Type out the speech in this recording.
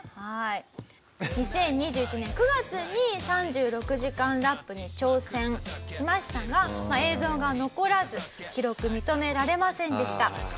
２０２１年９月に３６時間ラップに挑戦しましたが映像が残らず記録認められませんでした。